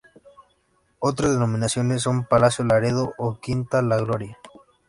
Otras denominaciones son Palacio Laredo o Quinta La Gloria.